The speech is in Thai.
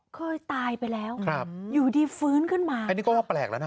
เคยตายไปแล้วครับอยู่ดีฟื้นขึ้นมาอันนี้ก็ว่าแปลกแล้วนะ